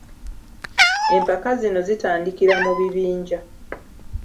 Empaka zino zitandikira mu bibinja.